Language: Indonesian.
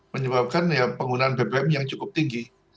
menyebabkan penggunaan bbm yang cukup tinggi